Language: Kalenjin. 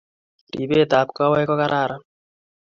Ribet ab kogowek ko kararan